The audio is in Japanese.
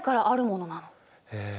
へえ。